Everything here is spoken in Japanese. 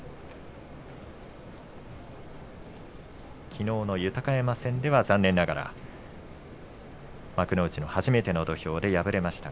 きのうの豊山戦では残念ながら幕内の初めての土俵で敗れました。